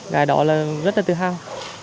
ngày đó là rất là tự hào